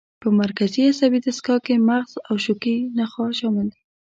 په مرکزي عصبي دستګاه کې مغز او شوکي نخاع شامل دي.